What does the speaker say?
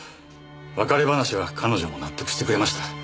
別れ話は彼女も納得してくれました。